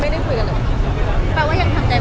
ไม่ได้คุยกันเลย